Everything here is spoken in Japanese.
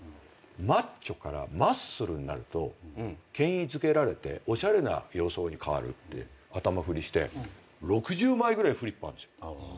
マッチョからマッスルになると権威づけられておしゃれな様相に変わるって頭振りして６０枚ぐらいフリップあるんですよ。